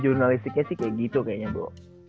jurnalistiknya sih kayak gitu kayaknya bu